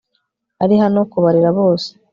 ari hano kubarera bose